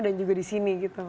dan juga di sini gitu